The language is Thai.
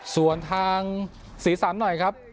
ส่วนทางสีสันหน่อยครับ